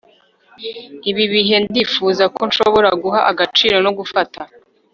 Ibi bihe ndifuza ko nshobora guha agaciro no gufata